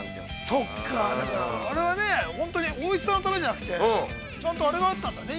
◆そっか、あれは本当においしさのためじゃなくて、ちゃんと、あれがあったんだね。